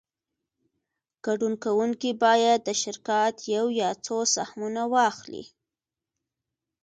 ګډون کوونکی باید د شرکت یو یا څو سهمونه واخلي